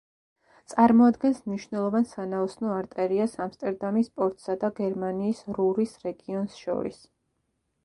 წარმოადგენს მნიშვნელოვან სანაოსნო არტერიას ამსტერდამის პორტსა და გერმანიის რურის რეგიონს შორის.